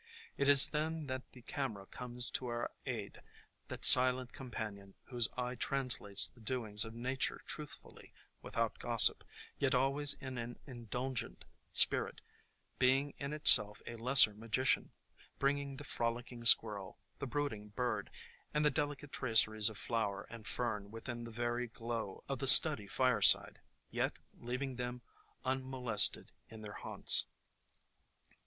It is then that the camera comes to our aid, — that silent companion whose eye translates the doings of nature truth fully, without gossip, yet always in an indulgent spirit — being in itself a lesser magician, bringing the frolicking squirrel, the brooding bird and the delicate traceries of flower and fern within the very glow of the study fireside, yet leaving them unmo lested in their haunts.